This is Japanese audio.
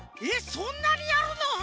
そんなにやるの？